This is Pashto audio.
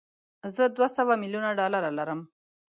ما دوه سوه میلیونه ډالره ولرم.